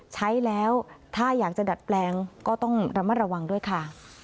ใช้แล้วถ้าอยากจะดัดแปลงก็ต้องระมัดระวังด้วยค่ะ